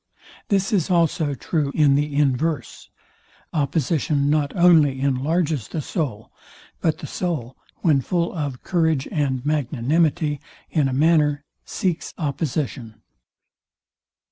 This is also true in the universe. Opposition not only enlarges the soul; but the soul, when full of courage and magnanimity, in a manner seeks opposition.